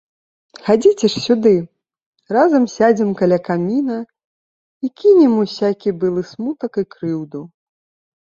Хадзіце ж сюды, разам сядзем каля каміна і кінем усякі былы смутак і крыўду.